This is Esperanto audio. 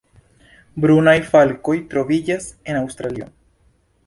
Brunaj falkoj troviĝas en Aŭstralio.